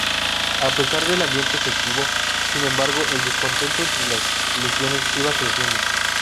A pesar del ambiente festivo, sin embargo, el descontento entre las legiones iba creciendo.